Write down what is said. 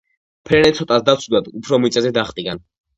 ფრენენ ცოტას და ცუდად, უფრო მიწაზე დახტიან.